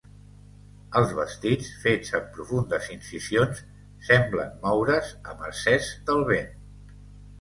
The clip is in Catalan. Els vestits, fets amb profundes incisions, semblen moure's a mercès del vent.